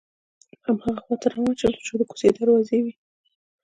هماغه خواته روان شوم چې د کوڅې دروازې وې.